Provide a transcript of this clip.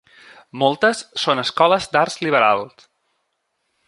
Moltes són escoles d'arts liberals.